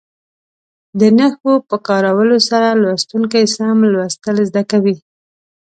د نښو په کارولو سره لوستونکي سم لوستل زده کوي.